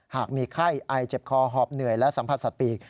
หากมีไข้ไอเจ็บคอหอบเหนื่อยและสัมผัสสัตว์ปีก